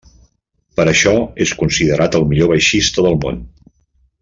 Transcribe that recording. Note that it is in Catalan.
Per això és considerat el millor baixista del món.